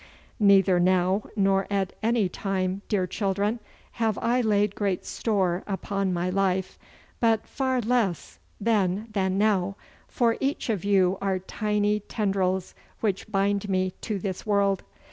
Neither now nor at any time, dear children, have I laid great store upon my life, but far less then than now, for each of you are tiny tendrils which bind me to this world.